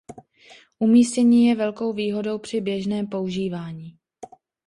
Umístění je velkou výhodou při běžném používání.